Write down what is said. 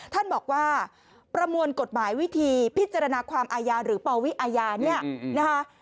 ท่านบอกว่าประมวลกฎหมายวิธีพิจารณาความอาญาหรือปวิอาญาเนี่ยนะคะ